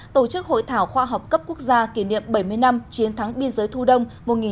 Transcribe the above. tổ chức hội thảo khoa học cấp quốc gia kỷ niệm bảy mươi năm chiến thắng biên giới thu đông một nghìn chín trăm bảy mươi